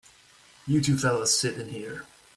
You two fellas sit in here.